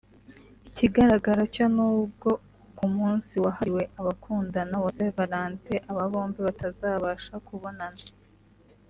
Ikigaragara cyo n’ubwo ku munsi wahriwe abakundana wa Saint Valentin aba bombi batazabasha kubonana